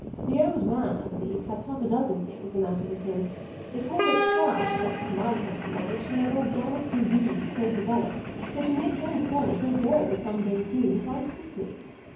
The old man, I believe, has half a dozen things the matter with him. They call it gout, but to my certain knowledge he has organic disease so developed that you may depend upon it he'll go, some day soon, quite quickly.